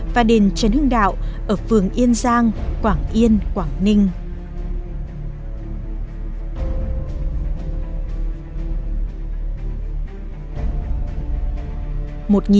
và đền trấn hưng đạo ở phường yên giang quảng yên quảng ninh